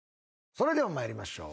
それでは参りましょう。